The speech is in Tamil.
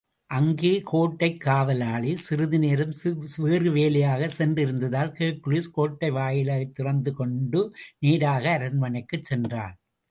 அங்கே கோட்டைக் காவலாளி சிறிது நேரம் வேறு வேலையாகச் சென்றிருந்ததால், ஹெர்க்குலிஸ் கோட்டைவாயிலைத் திறந்துகொண்டு, நேராக அரண்மனைக்குள்ளே சென்றான்.